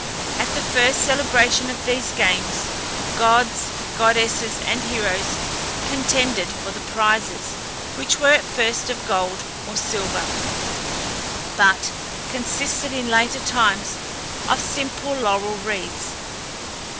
At the first celebration of these games, gods, goddesses, and heroes contended for the prizes, which were at first of gold or silver, but consisted, in later times, of simple laurel wreaths.